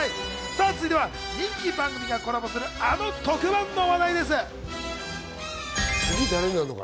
続いては、人気番組がコラボするあの特番の話題です。